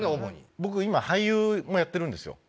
僕今俳優もやってるんですよ。